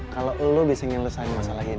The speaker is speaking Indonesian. kalau lo bisa nyelesain masalah ini